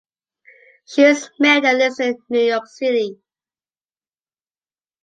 She is married and lives in New York City.